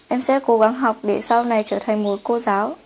em sẽ cố gắng học để sau này trở thành một cô giáo